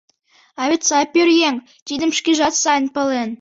А вет сай пӧръеҥ, тидым шкежат сайын пален.